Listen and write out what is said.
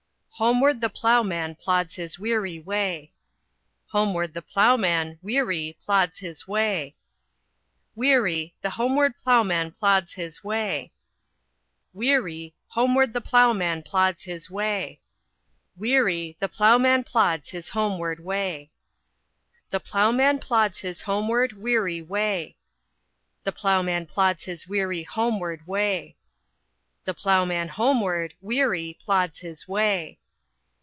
Homeward the ploughman plods his weary way. Homeward the ploughman, weary, plods his way. Weary, the homeward ploughman plods his way. Weary, homeward the ploughman plods his way. Weary, the ploughman plods his homeward way. The ploughman plods his homeward, weary way. The ploughman plods his weary homeward way. The ploughman homeward, weary, plods his way.